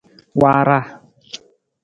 Waara.